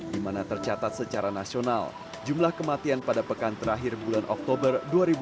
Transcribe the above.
di mana tercatat secara nasional jumlah kematian pada pekan terakhir bulan oktober dua ribu dua puluh